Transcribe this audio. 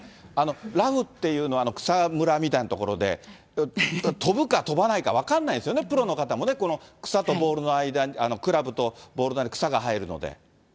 ラフっていうのは草むらみたいな所で、飛ぶか飛ばないか分からないんですよね、プロの方もね、この草とボールの、クラブとボールの間に草が入るので。